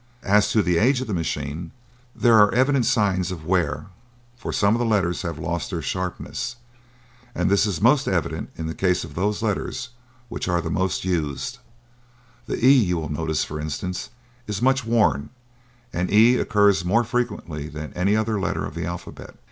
As to the age of the machine, there are evident signs of wear, for some of the letters have lost their sharpness, and this is most evident in the case of those letters which are the most used the 'e,' you will notice, for instance, is much worn; and 'e' occurs more frequently than any other letter of the alphabet.